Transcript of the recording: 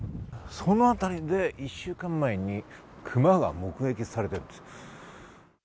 そのあたりで１週間前にクマが目撃されています。